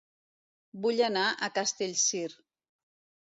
Vull anar a Castellcir